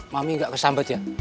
mami gak kesambet ya